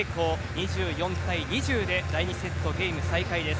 ２４対２０で第２セット、ゲーム再開です。